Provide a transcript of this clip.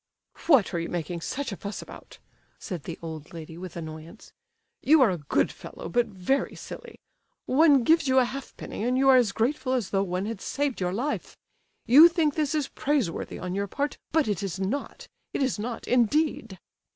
"What are you making such a fuss about?" said the old lady, with annoyance. "You are a good fellow, but very silly. One gives you a halfpenny, and you are as grateful as though one had saved your life. You think this is praiseworthy on your part, but it is not—it is not, indeed."